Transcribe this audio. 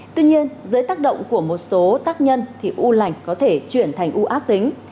tuy nhiên dưới tác động của một số tác nhân thì u lành có thể chuyển thành u ác tính